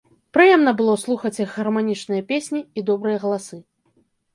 Прыемна было слухаць іх гарманічныя песні і добрыя галасы.